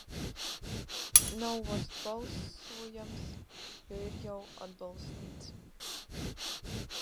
Nav vairs balsojams, jo ir jau atbalstīts.